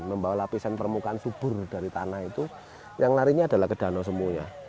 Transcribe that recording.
membawa lapisan permukaan subur dari tanah itu yang larinya adalah ke danau semuanya